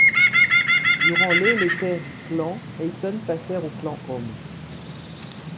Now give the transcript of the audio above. Durant le les terres du clan Aiton passèrent au clan Home.